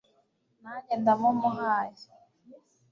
nanjye ndamumuhaye